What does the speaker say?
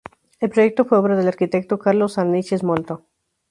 El proyecto fue obra del arquitecto Carlos Arniches Moltó.